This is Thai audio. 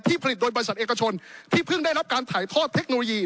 ผลิตโดยบริษัทเอกชนที่เพิ่งได้รับการถ่ายทอดเทคโนโลยี